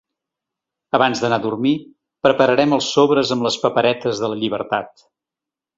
Abans d’anar a dormir, prepararem els sobres amb les paperetes de la llibertat.